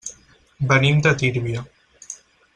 Venim de Tírvia.